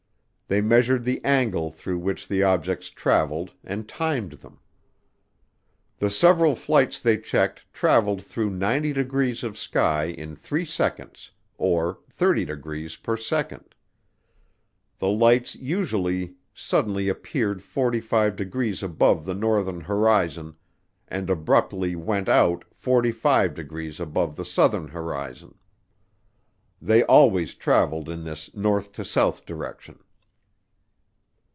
They measured the angle through which the objects traveled and timed them. The several flights they checked traveled through 90 degrees of sky in three seconds, or 30 degrees per second. The lights usually suddenly appeared 45 degrees above the northern horizon, and abruptly went out 45 degrees above the southern horizon. They always traveled in this north to south direction.